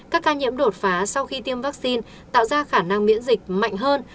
các ca nhiễm đột phá sau khi tiêm vaccine tạo ra khả năng miễn dịch mạnh hơn